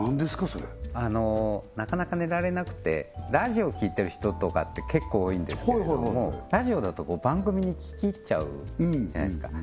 それなかなか寝られなくてラジオ聴いてる人とかって結構多いんですけれどもラジオだと番組に聴き入っちゃうじゃないですか